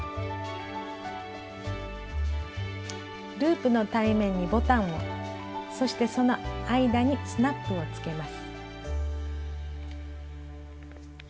ループの対面にボタンをそしてその間にスナップをつけます。